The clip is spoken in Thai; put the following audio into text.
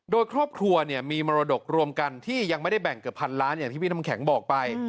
โดยครอบครัวมีมรดกรวมกันที่ยังไม่ได้แบ่งเกือบพันล้านอย่างที่พี่น้ำแข็งบอกไป